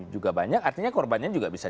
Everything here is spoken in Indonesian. juga banyak artinya korbannya juga bisa